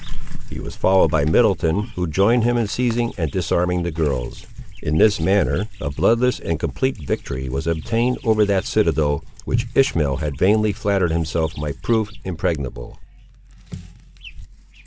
He was followed by Middleton, who joined him in seizing and disarming the girls. In this manner a bloodless and complete victory was obtained over that citadel which Ishmael had vainly flattered himself might prove impregnable.